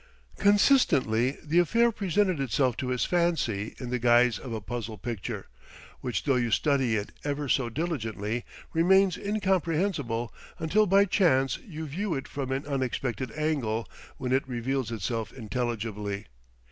Consistently the affair presented itself to his fancy in the guise of a puzzle picture, which, though you study it never so diligently, remains incomprehensible, until by chance you view it from an unexpected angle, when it reveals itself intelligibly.